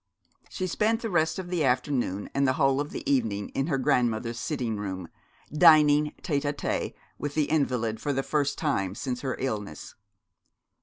She spent the rest of the afternoon and the whole of the evening in her grandmother's sitting room, dining tête à tête with the invalid for the first time since her illness.